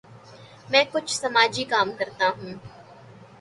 میں کچھ سماجی کام کرتا ہوں۔